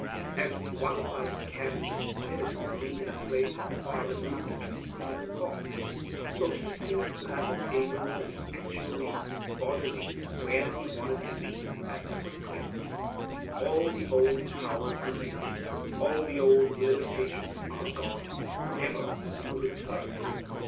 As one of us can, in spirit, be in a place far removed as quick as thought, so He seems to have been able to be actually, bodily, where He wanted to be as quickly. All the old powers remain. All the old limitations are gone, never to return.